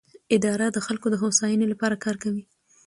اداره د خلکو د هوساینې لپاره کار کوي.